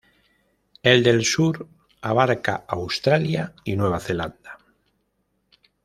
El del sur abarca Australia y Nueva Zelanda.